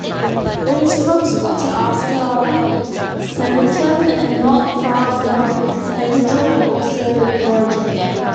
It is proximal to Asker Sentrum and not far from Heggedal and also Borgen.